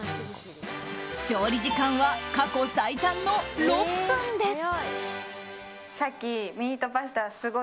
調理時間は過去最短の６分です。